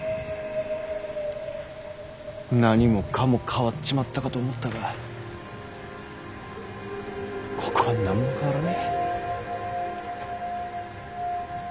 何もかも変わっちまったかと思ったがここは何も変わらねぇ。